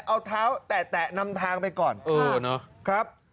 เอาเท้าแตะแตะนำทางไปก่อนเออเนอะครับ